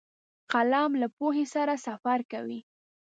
قلم له پوهې سره سفر کوي